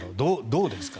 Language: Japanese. どうですか？